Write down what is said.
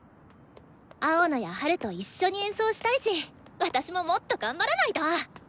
青野やハルと一緒に演奏したいし私ももっと頑張らないと！